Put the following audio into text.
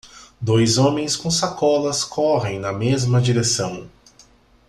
Dois homens com sacolas correm na mesma direção.